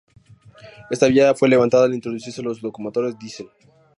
Esta vía fue levantada al introducirse las locomotoras diesel.